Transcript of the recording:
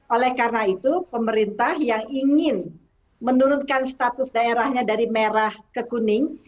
oleh karena itu pemerintah yang ingin menurunkan status daerahnya dari merah ke kuning